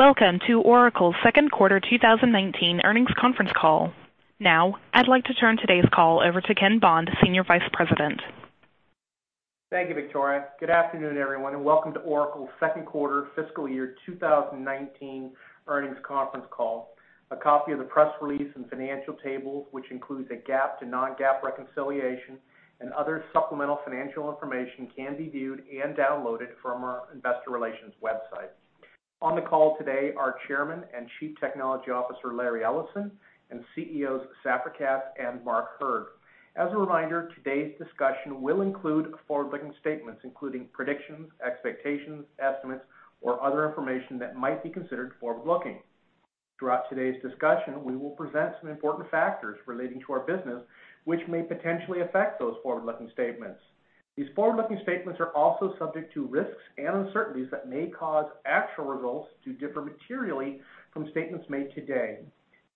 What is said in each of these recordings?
Welcome to Oracle's Second Quarter 2019 Earnings Conference Call. I'd like to turn today's call over to Ken Bond, Senior Vice President. Thank you, Victoria. Good afternoon, everyone, and welcome to Oracle's Second Quarter fiscal year 2019 Earnings Conference Call. A copy of the press release and financial tables, which includes a GAAP to non-GAAP reconciliation and other supplemental financial information can be viewed and downloaded from our investor relations website. On the call today are Chairman and Chief Technology Officer, Larry Ellison, and CEOs, Safra Catz and Mark Hurd. As a reminder, today's discussion will include forward-looking statements, including predictions, expectations, estimates, or other information that might be considered forward-looking. Throughout today's discussion, we will present some important factors relating to our business, which may potentially affect those forward-looking statements. These forward-looking statements are also subject to risks and uncertainties that may cause actual results to differ materially from statements made today.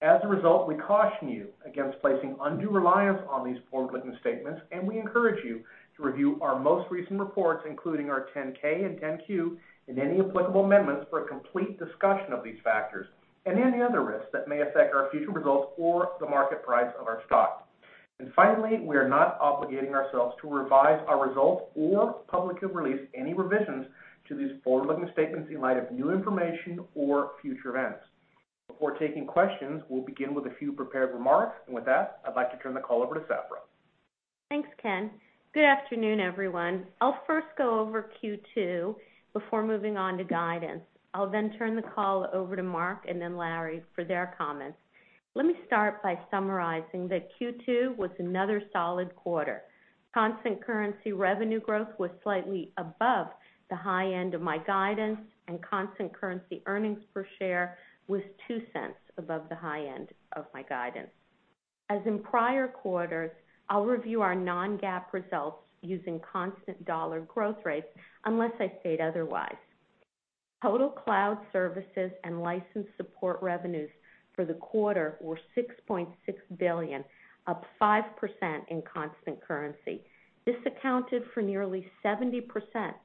As a result, we caution you against placing undue reliance on these forward-looking statements, and we encourage you to review our most recent reports, including our 10-K and 10-Q, and any applicable amendments for a complete discussion of these factors and any other risks that may affect our future results or the market price of our stock. Finally, we are not obligating ourselves to revise our results or publicly release any revisions to these forward-looking statements in light of new information or future events. Before taking questions, we'll begin with a few prepared remarks, and with that, I'd like to turn the call over to Safra. Thanks, Ken. Good afternoon, everyone. I'll first go over Q2 before moving on to guidance. I'll then turn the call over to Mark and then Larry for their comments. Let me start by summarizing that Q2 was another solid quarter. Constant currency revenue growth was slightly above the high end of my guidance, and constant currency earnings per share was $0.02 above the high end of my guidance. As in prior quarters, I'll review our non-GAAP results using constant dollar growth rates unless I state otherwise. Total cloud services and license support revenues for the quarter were $6.6 billion, up 5% in constant currency. This accounted for nearly 70%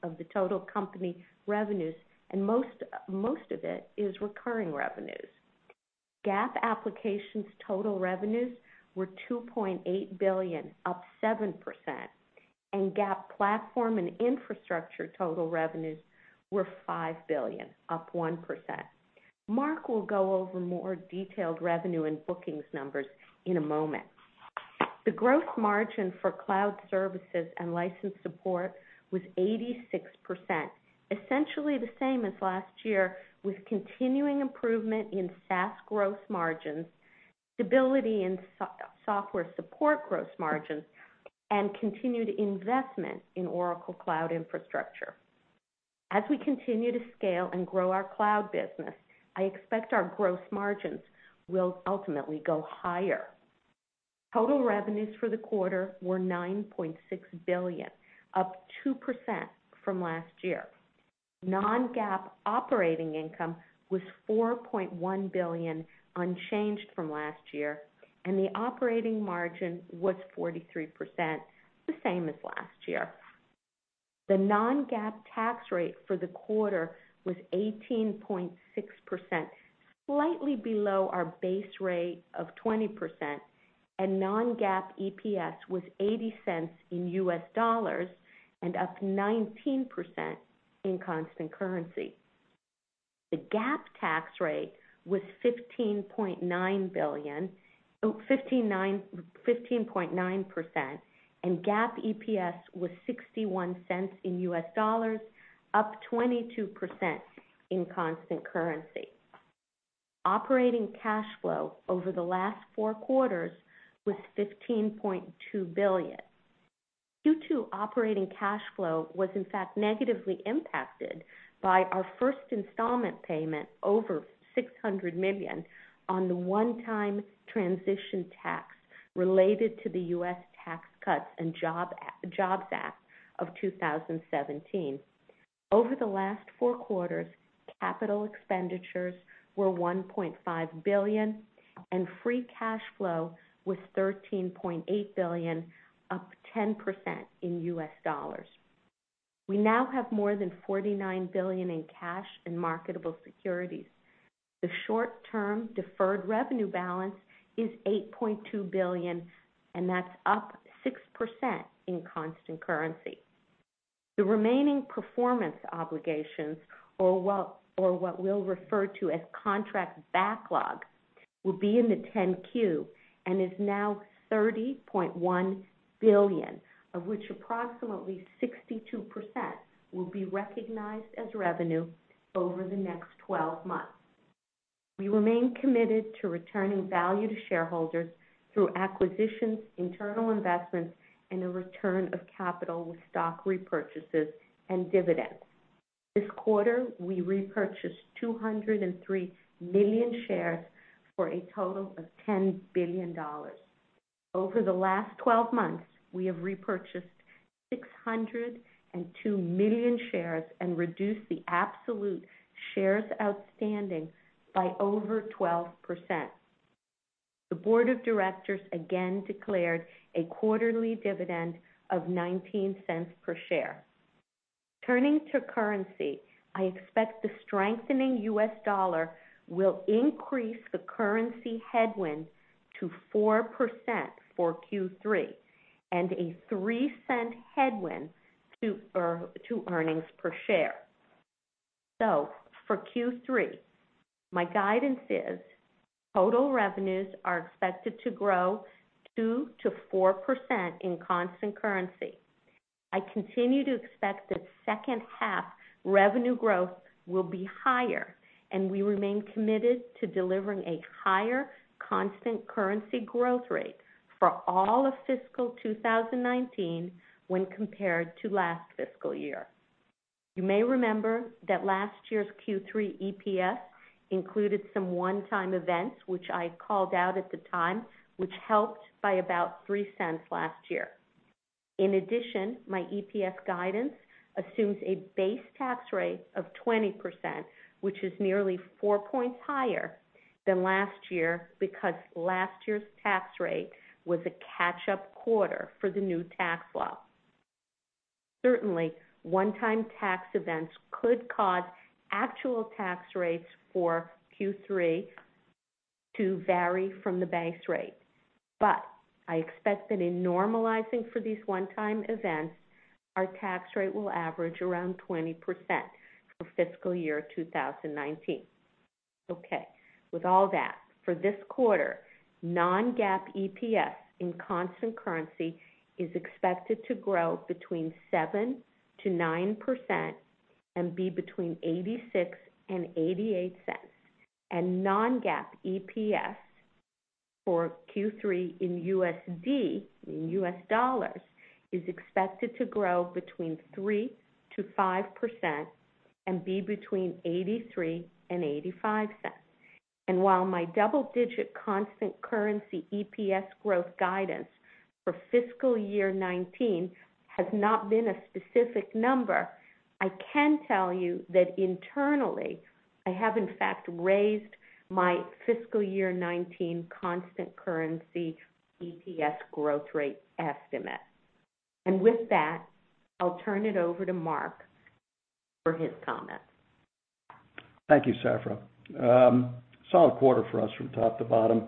of the total company revenues, and most of it is recurring revenues. GAAP applications total revenues were $2.8 billion, up 7%, and GAAP platform and infrastructure total revenues were $5 billion, up 1%. Mark will go over more detailed revenue and bookings numbers in a moment. The gross margin for cloud services and license support was 86%, essentially the same as last year, with continuing improvement in SaaS gross margins, stability in software support gross margins, and continued investment in Oracle Cloud Infrastructure. As we continue to scale and grow our cloud business, I expect our gross margins will ultimately go higher. Total revenues for the quarter were $9.6 billion, up 2% from last year. Non-GAAP operating income was $4.1 billion, unchanged from last year, and the operating margin was 43%, the same as last year. The non-GAAP tax rate for the quarter was 18.6%, slightly below our base rate of 20%, and non-GAAP EPS was $0.80 in U.S. dollars and up 19% in constant currency. The GAAP tax rate was 15.9%, and GAAP EPS was $0.61 in U.S. dollars, up 22% in constant currency. Operating cash flow over the last four quarters was $15.2 billion. Q2 operating cash flow was in fact negatively impacted by our first installment payment over $600 million on the one-time transition tax related to the U.S. Tax Cuts and Jobs Act of 2017. Over the last four quarters, capital expenditures were $1.5 billion, and free cash flow was $13.8 billion, up 10% in U.S. dollars. We now have more than $49 billion in cash and marketable securities. The short-term deferred revenue balance is $8.2 billion, and that's up 6% in constant currency. The remaining performance obligations, or what we'll refer to as contract backlog, will be in the 10-Q and is now $30.1 billion, of which approximately 62% will be recognized as revenue over the next 12 months. We remain committed to returning value to shareholders through acquisitions, internal investments, and a return of capital with stock repurchases and dividends. This quarter, we repurchased 203 million shares for a total of $10 billion. Over the last 12 months, we have repurchased 602 million shares and reduced the absolute shares outstanding by over 12%. The board of directors again declared a quarterly dividend of $0.19 per share. Turning to currency, I expect the strengthening U.S. dollar will increase the currency headwind to 4% for Q3, and a $0.03 headwind to earnings per share. For Q3, my guidance is total revenues are expected to grow 2%-4% in constant currency. I continue to expect that second half revenue growth will be higher, and we remain committed to delivering a higher constant currency growth rate for all of fiscal 2019 when compared to last fiscal year. You may remember that last year's Q3 EPS included some one-time events, which I called out at the time, which helped by about $0.03 last year. In addition, my EPS guidance assumes a base tax rate of 20%, which is nearly four points higher than last year because last year's tax rate was a catch-up quarter for the new tax law. Certainly, one-time tax events could cause actual tax rates for Q3 to vary from the base rate. I expect that in normalizing for these one-time events, our tax rate will average around 20% for fiscal year 2019. Okay, with all that, for this quarter, non-GAAP EPS in constant currency is expected to grow between 7%-9% and be between $0.86 and $0.88. non-GAAP EPS for Q3 in USD is expected to grow between 3%-5% and be between $0.83 and $0.85. While my double-digit constant currency EPS growth guidance for fiscal year 2019 has not been a specific number, I can tell you that internally, I have in fact raised my fiscal year 2019 constant currency EPS growth rate estimate. With that, I'll turn it over to Mark for his comments. Thank you, Safra. Solid quarter for us from top to bottom.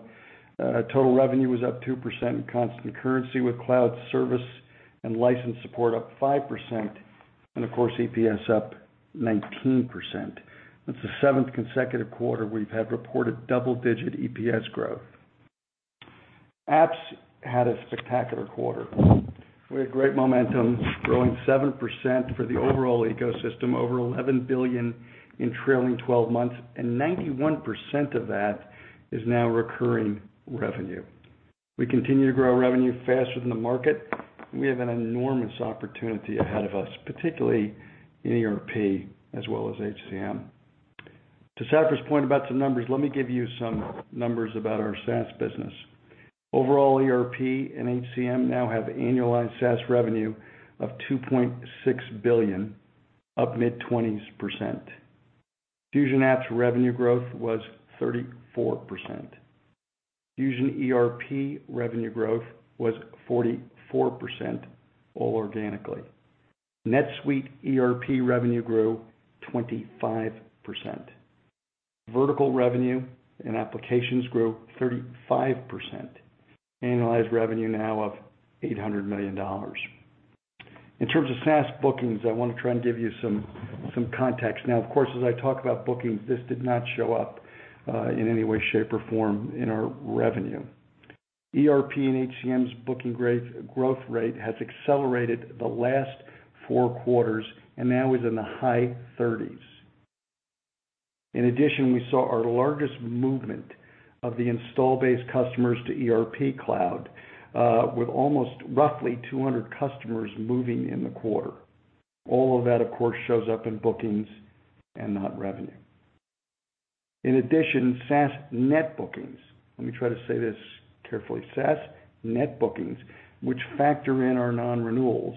Total revenue was up 2% in constant currency with cloud service and license support up 5%, of course, EPS up 19%. That's the seventh consecutive quarter we've had reported double-digit EPS growth. Apps had a spectacular quarter. We had great momentum, growing 7% for the overall ecosystem, over $11 billion in trailing 12 months, 91% of that is now recurring revenue. We continue to grow revenue faster than the market. We have an enormous opportunity ahead of us, particularly in ERP as well as HCM. To Safra's point about some numbers, let me give you some numbers about our SaaS business. Overall, ERP and HCM now have annualized SaaS revenue of $2.6 billion, up mid-20s%. Oracle Fusion Cloud Applications revenue growth was 34%. Oracle Fusion Cloud ERP revenue growth was 44%, all organically. NetSuite ERP revenue grew 25%. Vertical revenue and applications grew 35%, annualized revenue now of $800 million. In terms of SaaS bookings, I want to try and give you some context. As I talk about bookings, this did not show up in any way, shape, or form in our revenue. ERP and HCM's booking growth rate has accelerated the last four quarters and now is in the high 30s. In addition, we saw our largest movement of the install base customers to Oracle Cloud ERP with almost roughly 200 customers moving in the quarter. All of that, of course, shows up in bookings and not revenue. In addition, SaaS net bookings. Let me try to say this carefully. SaaS net bookings, which factor in our non-renewals,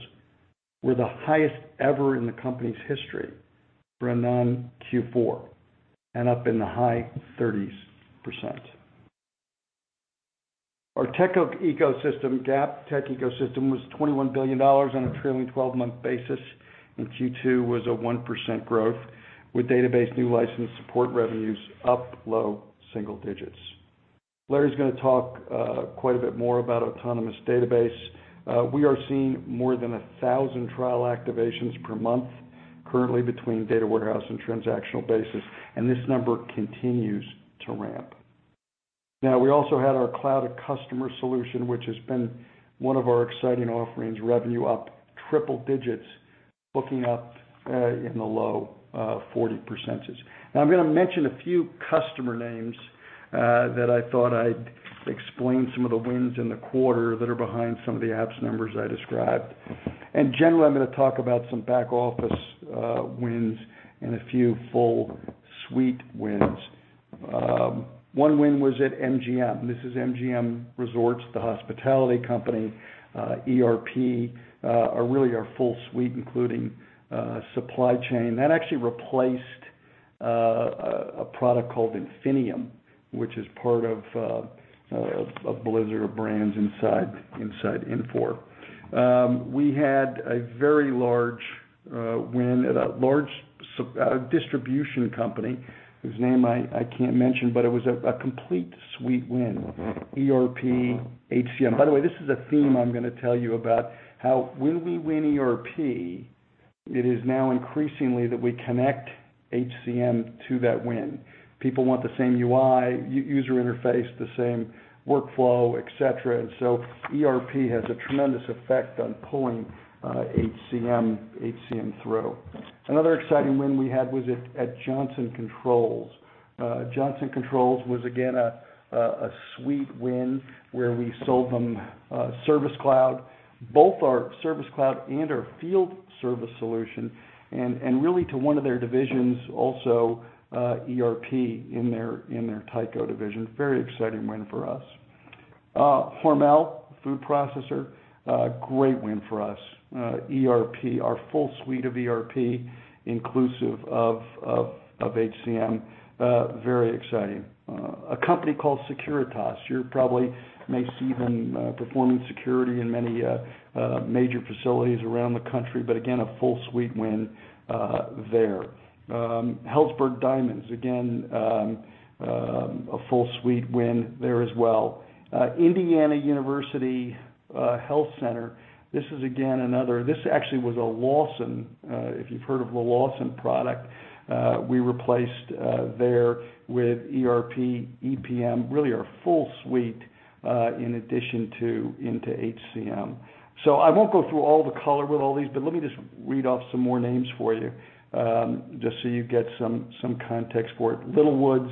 were the highest ever in the company's history for a non-Q4, and up in the high 30s%. Our Tech ecosystem, GAAP Tech ecosystem, was $21 billion on a trailing 12-month basis, Q2 was a 1% growth, with database new license support revenues up low single-digits. Larry's going to talk quite a bit more about Oracle Autonomous Database. We are seeing more than 1,000 trial activations per month currently between data warehouse and transactional bases, and this number continues to ramp. We also had our Oracle Cloud@Customer solution, which has been one of our exciting offerings, revenue up triple-digits, booking up in the low 40%. I'm going to mention a few customer names that I thought I'd explain some of the wins in the quarter that are behind some of the Apps numbers I described. Generally, I'm going to talk about some back office wins and a few full suite wins. One win was at MGM. This is MGM Resorts, the hospitality company. ERP, or really our full suite, including supply chain. That actually replaced a product called Infinium, which is part of Blizzard of brands inside Infor. We had a very large win at a large distribution company whose name I can't mention, but it was a complete suite win, ERP, HCM. By the way, this is a theme I'm going to tell you about how when we win ERP, it is now increasingly that we connect HCM to that win. People want the same UI, user interface, the same workflow, et cetera. ERP has a tremendous effect on pulling HCM through. Another exciting win we had was at Johnson Controls. Johnson Controls was, again, a suite win where we sold them Service Cloud, both our Service Cloud and our field service solution, and really to one of their divisions also, ERP in their Tyco division. Very exciting win for us. Hormel, food processor, great win for us. ERP, our full suite of ERP, inclusive of HCM. Very exciting. A company called Securitas. You probably may see them performing security in many major facilities around the country, but again, a full suite win there. Helzberg Diamonds, again, a full suite win there as well. Indiana University Health Center, this is again another This actually was a Lawson, if you've heard of the Lawson product, we replaced there with ERP, EPM, really our full suite, in addition to HCM. I won't go through all the color with all these, but let me just read off some more names for you, just so you get some context for it. Littlewoods,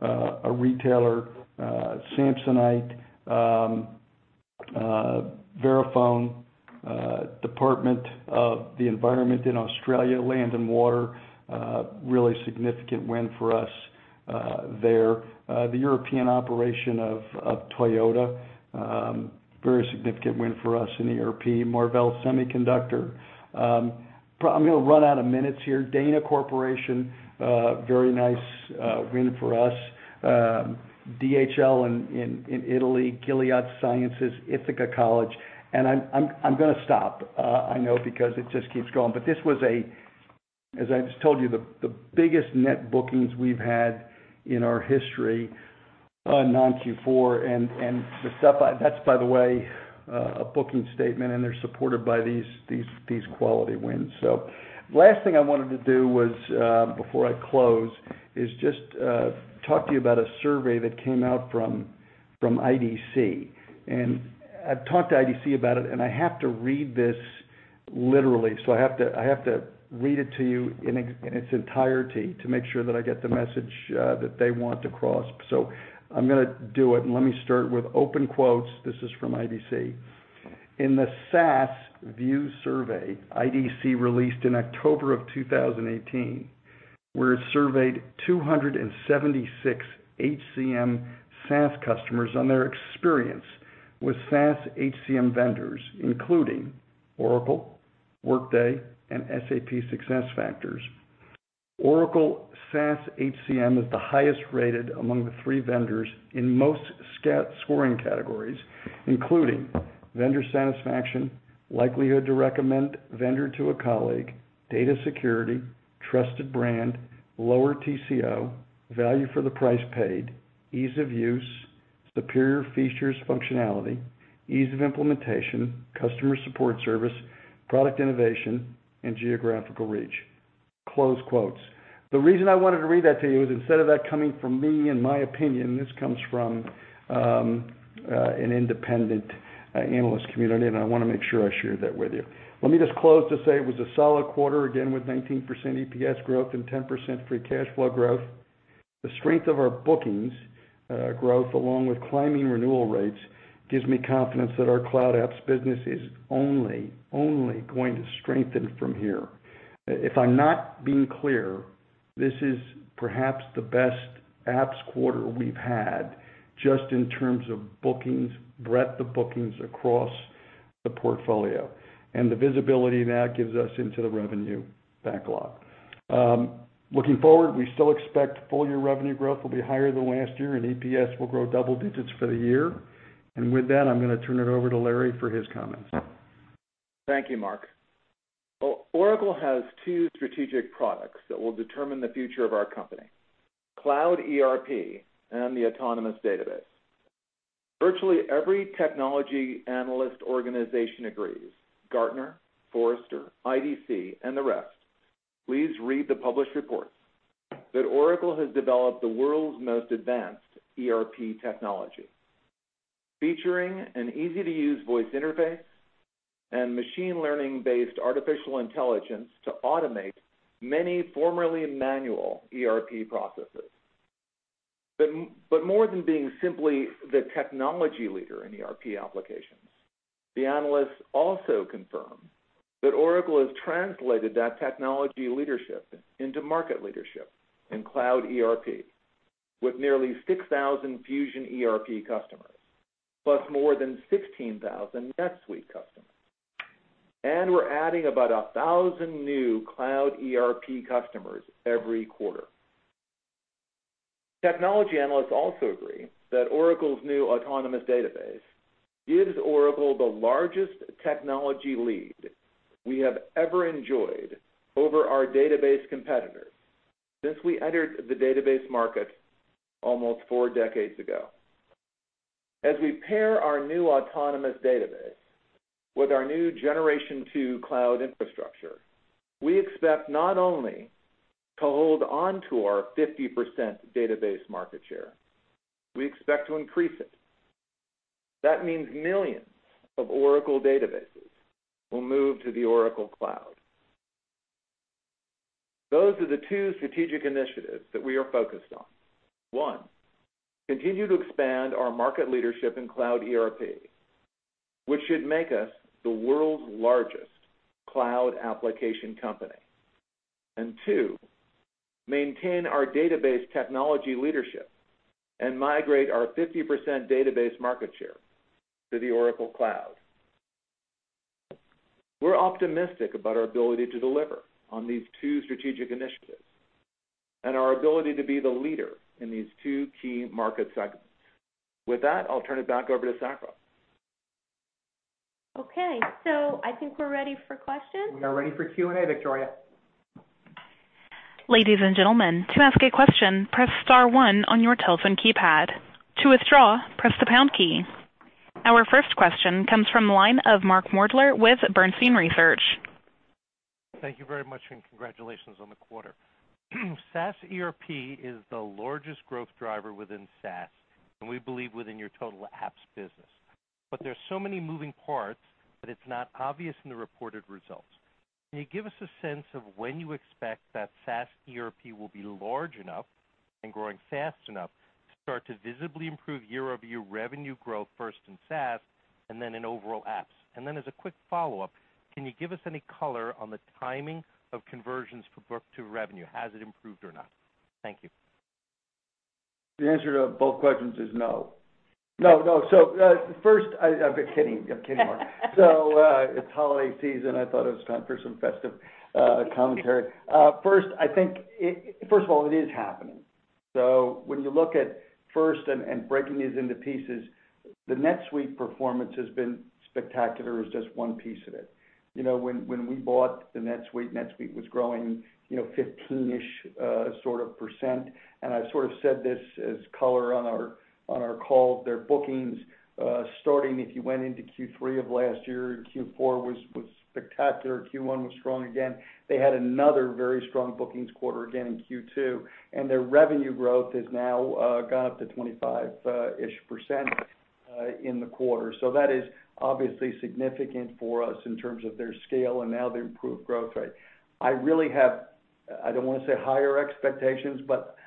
a retailer. Samsonite. Verifone. Department of the Environment in Australia, Land and Water, really significant win for us there. The European operation of Toyota, very significant win for us in ERP. Marvell Semiconductor. I'm going to run out of minutes here. Dana Corporation, very nice win for us. DHL in Italy, Gilead Sciences, Ithaca College, and I'm going to stop. I know because it just keeps going. This was a, as I just told you, the biggest net bookings we've had in our history on non-Q4, and that's by the way, a booking statement, and they're supported by these quality wins. Last thing I wanted to do was, before I close, is just talk to you about a survey that came out from IDC. I've talked to IDC about it, and I have to read this literally. I have to read it to you in its entirety to make sure that I get the message that they want across. I'm going to do it, and let me start with open quotes. This is from IDC. "In the SaaSView survey IDC released in October of 2018, where it surveyed 276 HCM SaaS customers on their experience with SaaS HCM vendors, including Oracle, Workday, and SAP SuccessFactors. Oracle SaaS HCM is the highest rated among the three vendors in most scoring categories, including vendor satisfaction, likelihood to recommend vendor to a colleague, data security, trusted brand, lower TCO, value for the price paid, ease of use, superior features functionality, ease of implementation, customer support service, product innovation, and geographical reach." The reason I wanted to read that to you is instead of that coming from me and my opinion, this comes from an independent analyst community, and I want to make sure I share that with you. Let me just close to say it was a solid quarter, again, with 19% EPS growth and 10% free cash flow growth. The strength of our bookings growth, along with climbing renewal rates, gives me confidence that our cloud apps business is only going to strengthen from here. If I'm not being clear, this is perhaps the best apps quarter we've had just in terms of bookings, breadth of bookings across the portfolio, and the visibility that gives us into the revenue backlog. Looking forward, we still expect full-year revenue growth will be higher than last year, and EPS will grow double-digits for the year. With that, I'm going to turn it over to Larry for his comments. Thank you, Mark. Oracle has two strategic products that will determine the future of our company, Cloud ERP and the Autonomous Database. Virtually every technology analyst organization agrees, Gartner, Forrester, IDC, and the rest. Please read the published reports that Oracle has developed the world's most advanced ERP technology, featuring an easy-to-use voice interface and machine learning-based artificial intelligence to automate many formerly manual ERP processes. But more than being simply the technology leader in ERP applications, the analysts also confirm that Oracle has translated that technology leadership into market leadership in Cloud ERP with nearly 6,000 Fusion ERP customers, plus more than 16,000 NetSuite customers. We're adding about 1,000 new Cloud ERP customers every quarter. Technology analysts also agree that Oracle's new Autonomous Database gives Oracle the largest technology lead we have ever enjoyed over our database competitors since we entered the database market almost four decades ago. As we pair our new Autonomous Database with our new Generation 2 Cloud Infrastructure, we expect not only to hold onto our 50% database market share, we expect to increase it. That means millions of Oracle Databases will move to the Oracle Cloud. Those are the two strategic initiatives that we are focused on. One, continue to expand our market leadership in Cloud ERP, which should make us the world's largest cloud application company. Two, maintain our database technology leadership and migrate our 50% database market share to the Oracle Cloud. We're optimistic about our ability to deliver on these two strategic initiatives and our ability to be the leader in these two key market segments. With that, I'll turn it back over to Safra. Okay. I think we're ready for questions. We are ready for Q&A, Victoria. Ladies and gentlemen, to ask a question, press star one on your telephone keypad. To withdraw, press the pound key. Our first question comes from the line of Mark Moerdler with Bernstein Research. Thank you very much, and congratulations on the quarter. SaaS ERP is the largest growth driver within SaaS, and we believe within your total apps business. There's so many moving parts that it's not obvious in the reported results. Can you give us a sense of when you expect that SaaS ERP will be large enough and growing fast enough to start to visibly improve year-over-year revenue growth first in SaaS, and then in overall apps? As a quick follow-up, can you give us any color on the timing of conversions for book two revenue? Has it improved or not? Thank you. The answer to both questions is no. No. First, I'm kidding. I'm kidding, Mark. It's holiday season. I thought it was time for some festive commentary. First of all, it is happening. When you look at first and breaking these into pieces, the NetSuite performance has been spectacular, is just one piece of it. When we bought the NetSuite was growing 15-ish sort of percent. I sort of said this as color on our call, their bookings, starting if you went into Q3 of last year and Q4 was spectacular. Q1 was strong again. They had another very strong bookings quarter again in Q2. Their revenue growth has now gone up to 25-ish percent in the quarter. That is obviously significant for us in terms of their scale and now their improved growth rate. I really have, I don't want to say higher expectations.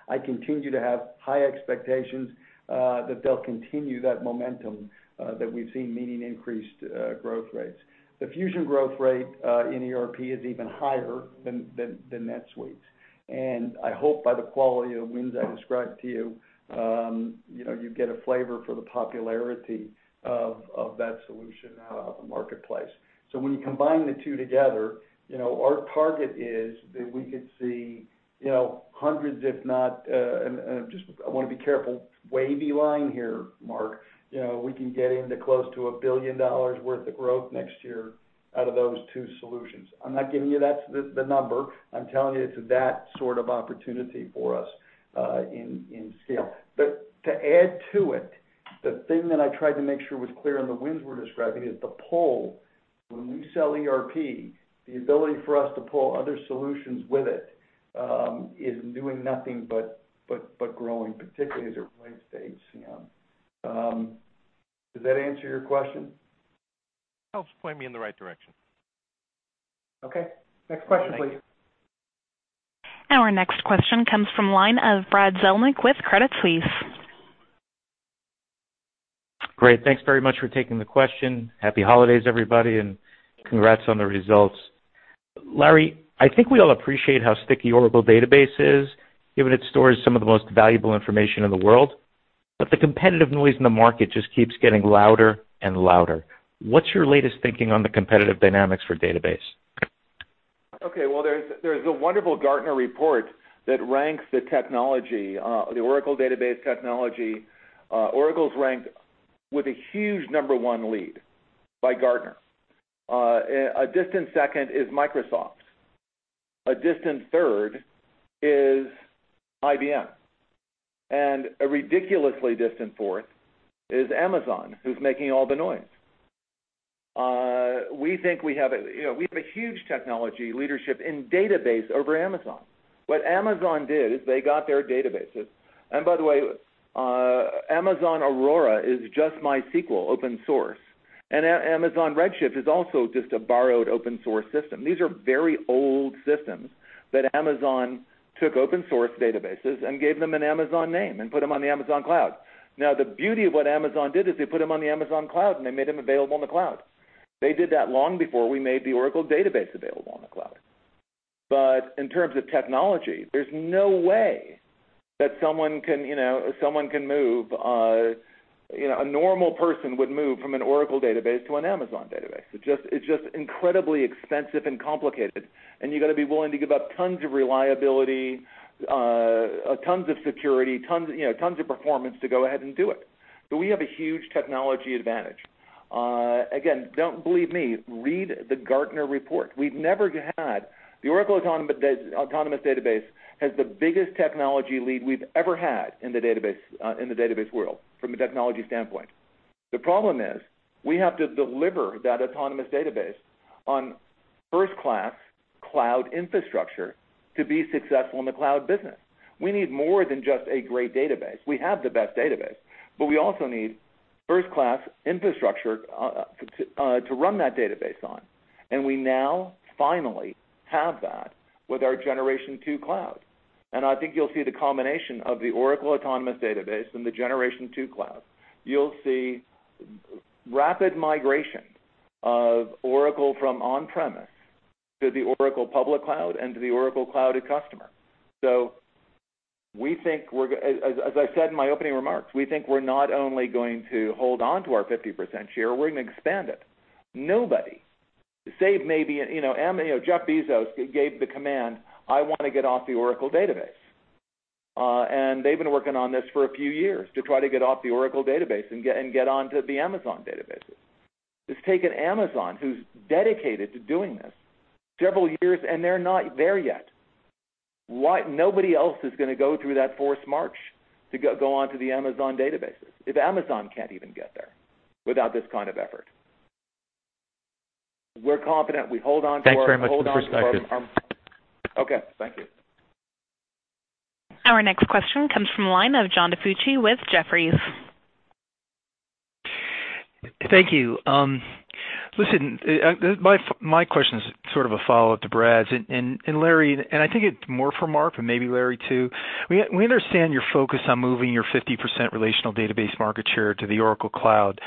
I continue to have high expectations that they'll continue that momentum that we've seen, meaning increased growth rates. The Fusion growth rate in ERP is even higher than NetSuite's. I hope by the quality of wins I described to you get a flavor for the popularity of that solution now in the marketplace. When you combine the two together, our target is that we could see hundreds if not, and I want to be careful, wavy line here, Mark. We can get into close to $1 billion worth of growth next year out of those two solutions. I'm not giving you the number. I'm telling you it's that sort of opportunity for us in scale. To add to it, the thing that I tried to make sure was clear on the wins we're describing is the pull. When we sell ERP, the ability for us to pull other solutions with it is doing nothing but growing, particularly as it relates to HCM. Does that answer your question? Helps point me in the right direction. Okay. Next question, please. Our next question comes from the line of Brad Zelnick with Credit Suisse. Great. Thanks very much for taking the question. Happy holidays, everybody, and congrats on the results. Larry, I think we all appreciate how sticky Oracle Database is, given it stores some of the most valuable information in the world. The competitive noise in the market just keeps getting louder and louder. What's your latest thinking on the competitive dynamics for Database? Okay. Well, there's a wonderful Gartner report that ranks the technology, the Oracle Database technology. Oracle's ranked with a huge number one lead by Gartner. A distant second is Microsoft. A distant third is IBM. A ridiculously distant fourth is Amazon, who's making all the noise. We think we have a huge technology leadership in database over Amazon. What Amazon did is they got their databases. By the way, Amazon Aurora is just MySQL open source. Amazon Redshift is also just a borrowed open-source system. These are very old systems that Amazon took open source databases and gave them an Amazon name and put them on the Amazon Cloud. The beauty of what Amazon did is they put them on the Amazon Cloud, and they made them available on the Cloud. They did that long before we made the Oracle Database available. But in terms of technology, there's no way that a normal person would move from an Oracle Database to an Amazon database. It's just incredibly expensive and complicated, and you've got to be willing to give up tons of reliability, tons of security, tons of performance to go ahead and do it. We have a huge technology advantage. Again, don't believe me. Read the Gartner report. The Oracle Autonomous Database has the biggest technology lead we've ever had in the database world from a technology standpoint. The problem is we have to deliver that Oracle Autonomous Database on first-class cloud infrastructure to be successful in the cloud business. We need more than just a great database. We have the best database, but we also need first-class infrastructure to run that database on. We now finally have that with our Generation 2 Cloud. I think you'll see the combination of the Oracle Autonomous Database and the Generation 2 Cloud. You'll see rapid migration of Oracle from on-premise to the Oracle Public Cloud and to the Oracle Cloud@Customer. As I said in my opening remarks, we think we're not only going to hold on to our 50% share, we're going to expand it. Jeff Bezos gave the command, "I want to get off the Oracle Database." They've been working on this for a few years to try to get off the Oracle Database and get onto the Amazon databases. It's taken Amazon, who's dedicated to doing this, several years, and they're not there yet. Nobody else is going to go through that forced march to go onto the Amazon databases if Amazon can't even get there without this kind of effort. We're confident we hold onto our Thanks very much for the first section. Okay. Thank you. Our next question comes from the line of John DiFucci with Jefferies. Thank you. Listen, my question is sort of a follow-up to Brad's. Larry, I think it's more for Mark and maybe Larry, too. We understand your focus on moving your 50% relational database market share to the Oracle Cloud,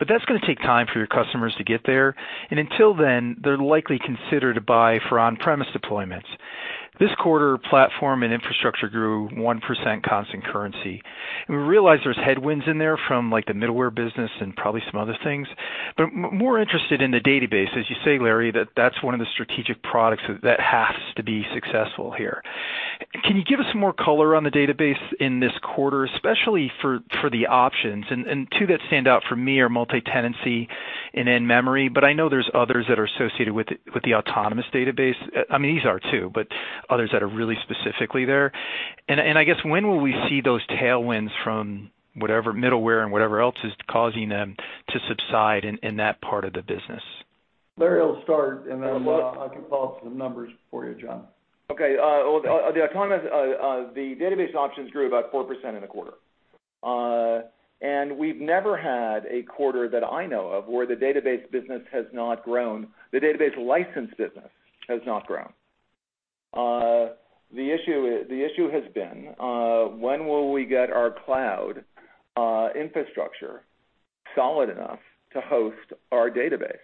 but that's going to take time for your customers to get there. Until then, they're likely considered to buy for on-premise deployments. This quarter, platform and infrastructure grew 1% constant currency. We realize there's headwinds in there from the middleware business and probably some other things, but more interested in the database. As you say, Larry, that's one of the strategic products that has to be successful here. Can you give us some more color on the database in this quarter, especially for the options? Two that stand out for me are multi-tenancy and in-memory, but I know there's others that are associated with the Oracle Autonomous Database. These are two, but others that are really specifically there. I guess when will we see those tailwinds from whatever middleware and whatever else is causing them to subside in that part of the business? Larry will start, then I can follow up with some numbers for you, John. Okay. The database options grew about 4% in a quarter. We've never had a quarter that I know of where the database license business has not grown. The issue has been, when will we get our cloud infrastructure solid enough to host our database?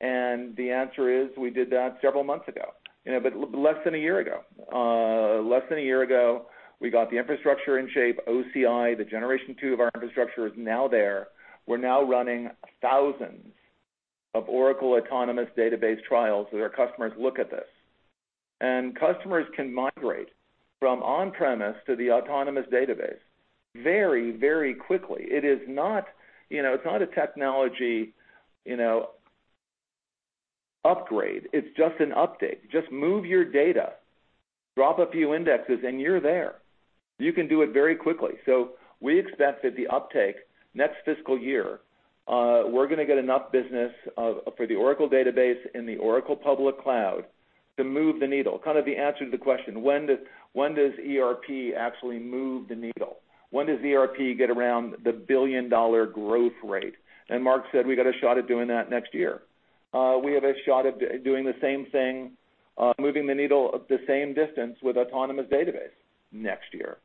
The answer is, we did that several months ago, but less than a year ago. Less than a year ago, we got the infrastructure in shape, OCI, the Generation 2 of our infrastructure is now there. We're now running thousands of Oracle Autonomous Database trials that our customers look at this. Customers can migrate from on-premise to the autonomous database very quickly. It's not a technology upgrade. It's just an update. Just move your data, drop a few indexes, and you're there. You can do it very quickly. We expect that the uptake next fiscal year, we're going to get enough business for the Oracle Database and the Oracle Public Cloud to move the needle. Kind of the answer to the question, when does ERP actually move the needle? When does ERP get around the billion-dollar growth rate? Mark said we got a shot at doing that next year. We have a shot at doing the same thing, moving the needle the same distance with Oracle Autonomous Database next year.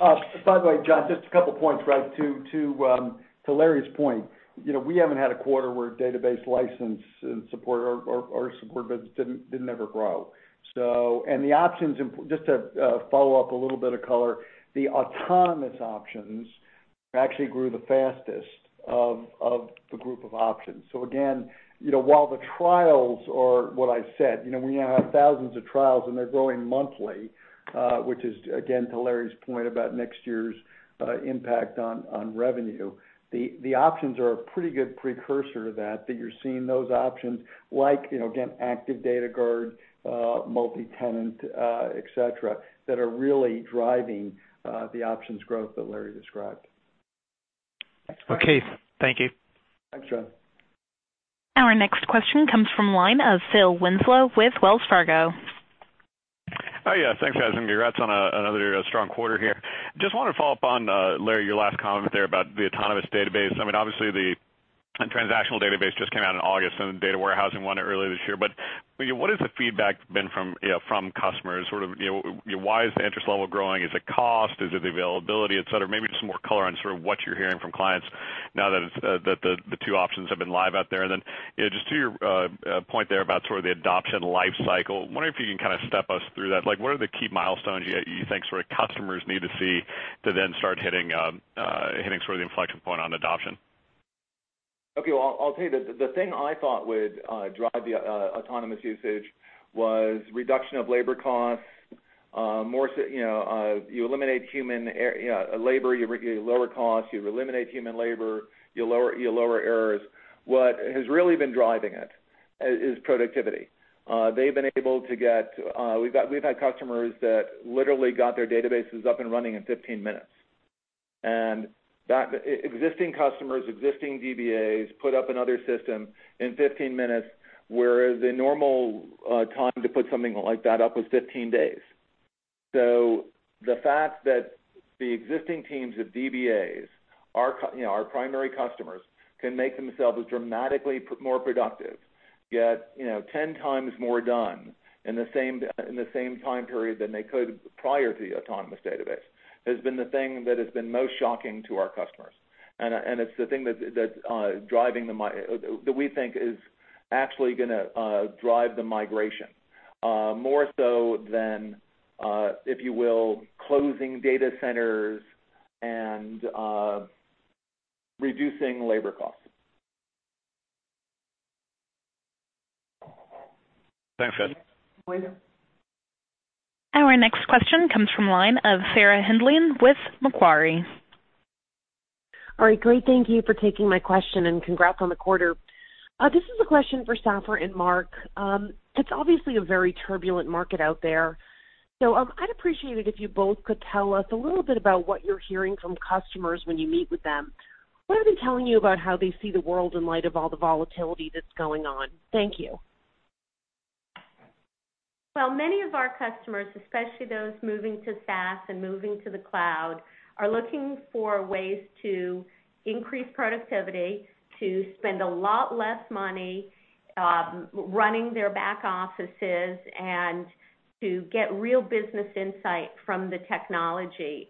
By the way, John, just a couple of points to Larry's point. We haven't had a quarter where database license and our support business didn't ever grow. Just to follow up a little bit of color, the autonomous options actually grew the fastest of the group of options. Again, while the trials are what I said, we now have thousands of trials, and they're growing monthly, which is again, to Larry's point about next year's impact on revenue. The options are a pretty good precursor to that you're seeing those options like, again, Active Data Guard, Oracle Multitenant, et cetera, that are really driving the options growth that Larry described. Okay. Thank you. Thanks, John. Our next question comes from the line of Phil Winslow with Wells Fargo. Thanks, guys, and congrats on another strong quarter here. Just wanted to follow up on, Larry, your last comment there about the Autonomous Database. Obviously, the transactional database just came out in August and the data warehousing one earlier this year. What has the feedback been from customers? Why is the interest level growing? Is it cost? Is it availability, et cetera? Maybe just some more color on what you're hearing from clients Now that the two options have been live out there. Then just to your point there about sort of the adoption life cycle, wondering if you can kind of step us through that. What are the key milestones you think customers need to see to then start hitting the inflection point on adoption? Okay. Well, I'll tell you, the thing I thought would drive the autonomous usage was reduction of labor costs. You eliminate human labor, you lower costs. You eliminate human labor, you lower errors. What has really been driving it is productivity. We've had customers that literally got their databases up and running in 15 minutes. Existing customers, existing DBAs, put up another system in 15 minutes, whereas the normal time to put something like that up was 15 days. The fact that the existing teams of DBAs, our primary customers, can make themselves dramatically more productive, get 10x more done in the same time period than they could prior to the Autonomous Database, has been the thing that has been most shocking to our customers. It's the thing that we think is actually going to drive the migration, more so than, if you will, closing data centers and reducing labor costs. Thanks, Larry. Our next question comes from the line of Sarah Hindlian-Bowler with Macquarie. All right, great. Thank you for taking my question, and congrats on the quarter. This is a question for Safra and Mark. It's obviously a very turbulent market out there. I'd appreciate it if you both could tell us a little bit about what you're hearing from customers when you meet with them. What are they telling you about how they see the world in light of all the volatility that's going on? Thank you. Well, many of our customers, especially those moving to SaaS and moving to the cloud, are looking for ways to increase productivity, to spend a lot less money running their back offices, and to get real business insight from the technology.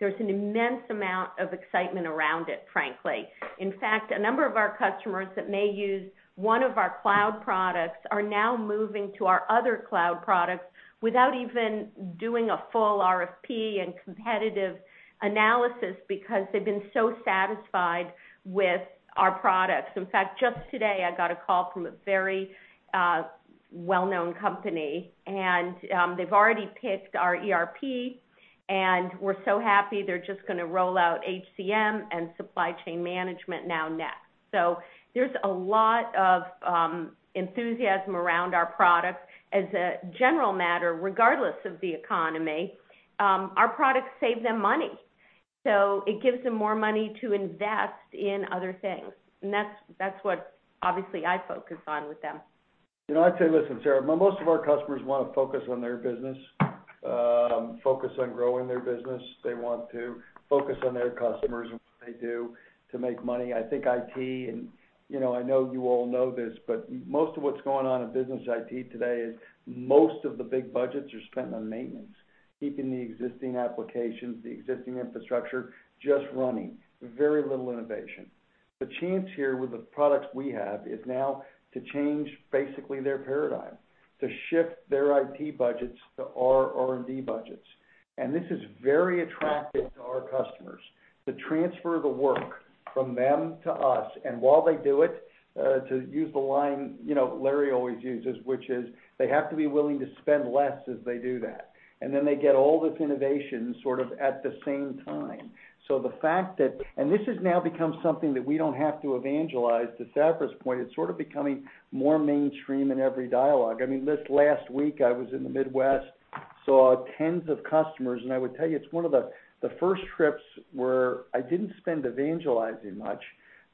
There's an immense amount of excitement around it, frankly. In fact, a number of our customers that may use one of our cloud products are now moving to our other cloud products without even doing a full RFP and competitive analysis because they've been so satisfied with our products. In fact, just today, I got a call from a very well-known company, they've already picked our ERP, were so happy, they're just going to roll out HCM and supply chain management now next. There's a lot of enthusiasm around our products. As a general matter, regardless of the economy, our products save them money. It gives them more money to invest in other things. That's what obviously I focus on with them. I'd say, listen, Sarah, most of our customers want to focus on their business, focus on growing their business. They want to focus on their customers and what they do to make money. I think IT, I know you all know this, most of what's going on in business IT today is most of the big budgets are spent on maintenance, keeping the existing applications, the existing infrastructure, just running. Very little innovation. The chance here with the products we have is now to change basically their paradigm, to shift their IT budgets to our R&D budgets. This is very attractive to our customers to transfer the work from them to us, and while they do it, to use the line Larry always uses, which is they have to be willing to spend less as they do that. They get all this innovation sort of at the same time. This has now become something that we don't have to evangelize. To Safra's point, it's sort of becoming more mainstream in every dialogue. This last week, I was in the Midwest, saw tens of customers, I would tell you, it's one of the first trips where I didn't spend evangelizing much.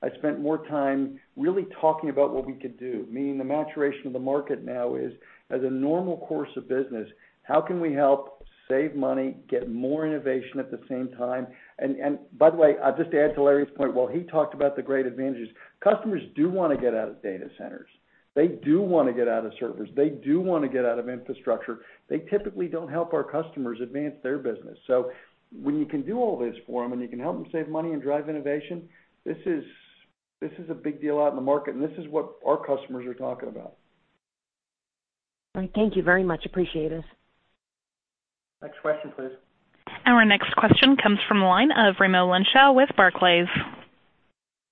I spent more time really talking about what we could do. Meaning, the maturation of the market now is, as a normal course of business, how can we help save money, get more innovation at the same time? By the way, just to add to Larry's point, while he talked about the great advantages, customers do want to get out of data centers. They do want to get out of servers. They do want to get out of infrastructure. They typically don't help our customers advance their business. When you can do all this for them and you can help them save money and drive innovation, this is a big deal out in the market, and this is what our customers are talking about. All right. Thank you very much. Appreciate it. Next question, please. Our next question comes from the line of Raimo Lenschow with Barclays.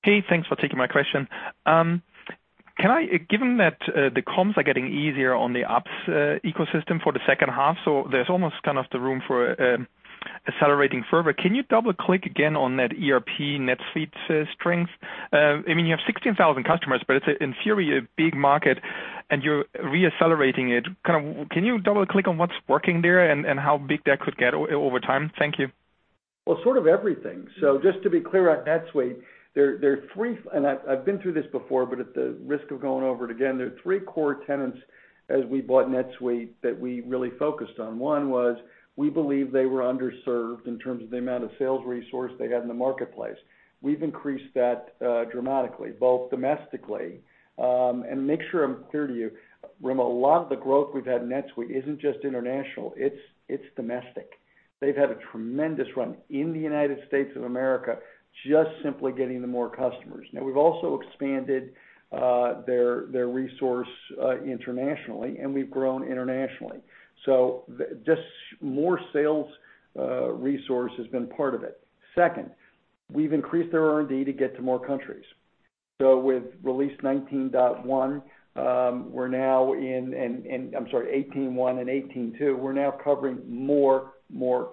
Hey, thanks for taking my question. Given that the comms are getting easier on the ops ecosystem for the second half, there's almost kind of the room for accelerating further, can you double-click again on that ERP NetSuite strength? You have 16,000 customers, but it's in theory a big market and you're re-accelerating it. Can you double-click on what's working there and how big that could get over time? Thank you. Well, sort of everything. Just to be clear, at NetSuite, and I've been through this before, but at the risk of going over it again, there are three core tenets, as we bought NetSuite, that we really focused on. One was, we believe they were underserved in terms of the amount of sales resource they had in the marketplace. We've increased that dramatically, both domestically. Make sure I'm clear to you, Raimo, a lot of the growth we've had in NetSuite isn't just international, it's domestic. They've had a tremendous run in the United States of America, just simply getting them more customers. Now, we've also expanded their resource internationally, and we've grown internationally. Just more sales resource has been part of it. Second, we've increased their R&D to get to more countries. With release 19.1, we're now 18.1 and 18.2, we're now covering more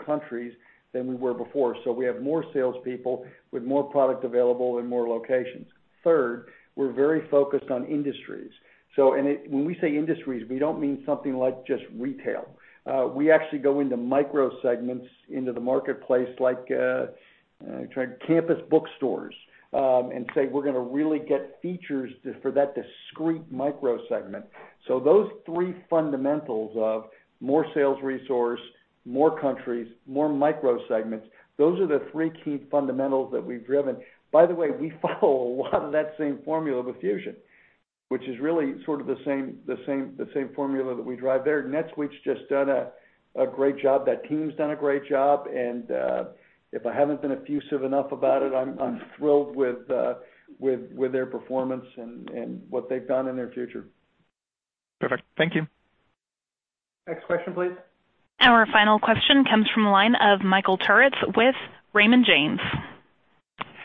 countries than we were before. We have more salespeople with more product available in more locations. Third, we're very focused on industries. When we say industries, we don't mean something like just retail. We actually go into micro segments into the marketplace like campus bookstores, and say we're going to really get features for that discrete micro segment. Those three fundamentals of more sales resource, more countries, more micro segments, those are the three key fundamentals that we've driven. By the way, we follow a lot of that same formula with Fusion, which is really sort of the same formula that we drive there. NetSuite's just done a great job. That team's done a great job, and if I haven't been effusive enough about it, I'm thrilled with their performance and what they've done in their future. Perfect. Thank you. Next question, please. Our final question comes from the line of Michael Turits with Raymond James.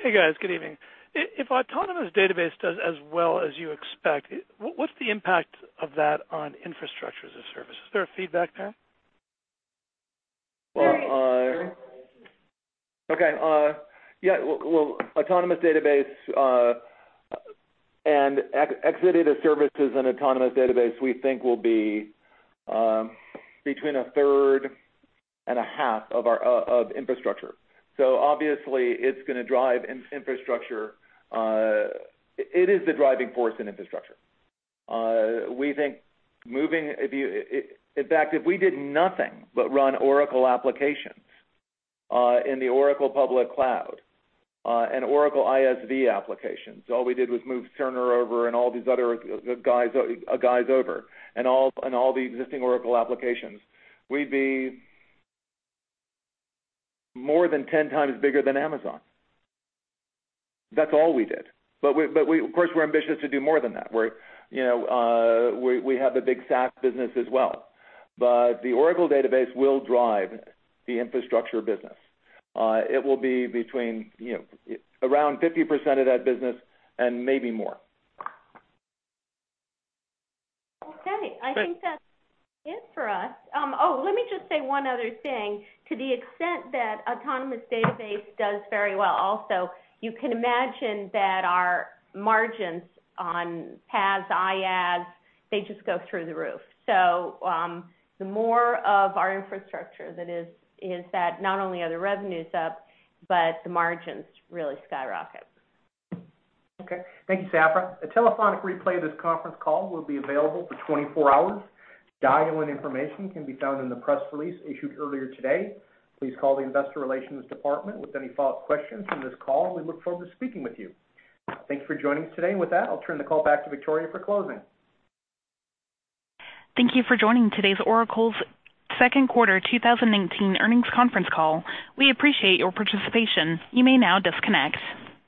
Hey, guys. Good evening. If Oracle Autonomous Database does as well as you expect, what's the impact of that on infrastructure as a service? Is there a feedback there? Well- Safra Okay. Yeah. Well, Oracle Autonomous Database and Exadata services and Oracle Autonomous Database, we think will be between a third and a half of infrastructure. Obviously, it's going to drive infrastructure. It is the driving force in infrastructure. In fact, if we did nothing but run Oracle applications in the Oracle Public Cloud, and Oracle ISV applications, all we did was move Turner over and all these other guys over, and all the existing Oracle applications, we'd be more than 10x bigger than Amazon. That's all we did. Of course, we're ambitious to do more than that. We have the big SaaS business as well. The Oracle Database will drive the infrastructure business. It will be between around 50% of that business and maybe more. Okay. Thanks. I think that's it for us. Oh, let me just say one other thing. To the extent that Oracle Autonomous Database does very well also, you can imagine that our margins on PaaS, IaaS, they just go through the roof. The more of our infrastructure that is that, not only are the revenues up, but the margins really skyrocket. Okay. Thank you, Safra. A telephonic replay of this conference call will be available for 24 hours. Dial-in information can be found in the press release issued earlier today. Please call the investor relations department with any follow-up questions from this call, and we look forward to speaking with you. Thank you for joining us today. With that, I'll turn the call back to Victoria for closing. Thank you for joining today's Oracle's Second Quarter 2019 Earnings Conference Call. We appreciate your participation. You may now disconnect.